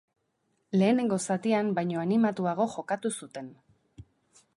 Lehenengo zatian baino animatuago jokatu zuten.